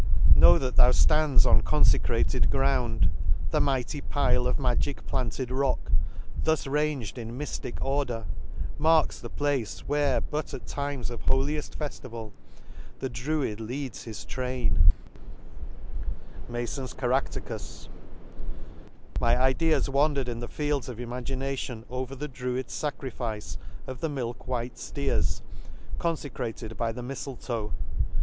—" Know that thou (lands on confecrated ground; " The mighty pile of magic planted rock, " Thus rang'd in myftic order, marks the place " Where but at times of holieft feftival, " The druid leads his train *." My ideas wandered in the fields of imagination over the druids facrifice of the milk white fleers, confecrated by the mifletoe.